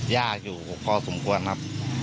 ยากอยู่พอสมควรครับ